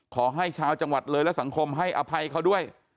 ขอให้ชาวจังหวัดเลยและสังคมให้อภัยเขาด้วย